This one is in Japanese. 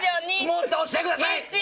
もっと押してください！